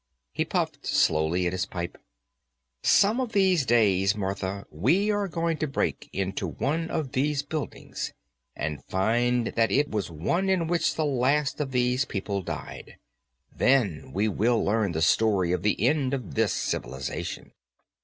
He puffed slowly at his pipe. "Some of these days, Martha, we are going to break into one of these buildings and find that it was one in which the last of these people died. Then we will learn the story of the end of this civilization."